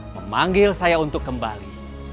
memanggil saya untuk kembali